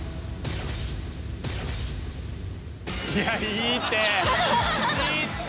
いやいいって！